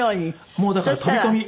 もうだから飛び込み。